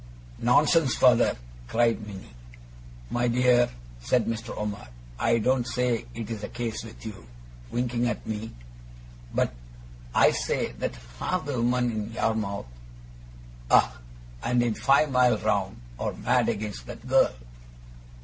'Nonsense, father!' cried Minnie. 'My dear,' said Mr. Omer, 'I don't say it's the case with you,' winking at me, 'but I say that half the women in Yarmouth ah! and in five mile round are mad against that girl.